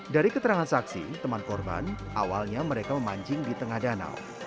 dari keterangan saksi teman korban awalnya mereka memancing di tengah danau